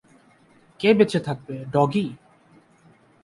কে বেঁচে থাকবে, ডগি?